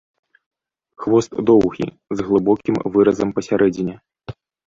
Хвост доўгі, з глыбокім выразам пасярэдзіне.